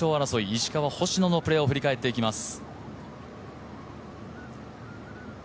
石川、星野のプレーを振り返っていきます。